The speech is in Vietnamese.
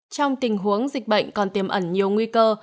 trong tình huống dịch bệnh còn tiềm ẩn nhiều nguy cơ